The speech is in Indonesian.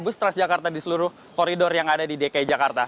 bus transjakarta di seluruh koridor yang ada di dki jakarta